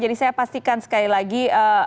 jadi saya pastikan sekali lagi